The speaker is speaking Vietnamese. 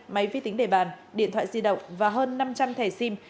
máy viết tính để bàn điện thoại di động và hơn năm trăm linh thẻ sim